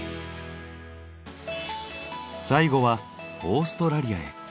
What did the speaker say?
最後はオーストラリアへ。